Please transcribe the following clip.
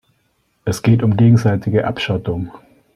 Es geht um gegenseitige Abschottung.